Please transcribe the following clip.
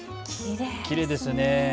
きれいですね。